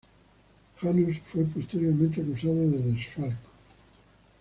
Janus fue posteriormente acusado de desfalco.